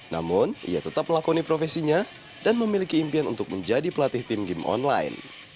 namun ia tetap melakoni profesinya dan memiliki impian untuk menjadi pelatih tim game online